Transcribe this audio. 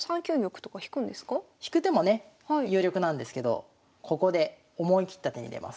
引く手もね有力なんですけどここで思い切った手に出ます。